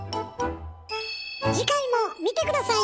次回も見て下さいね！